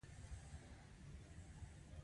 د یوې پېښې ښودنه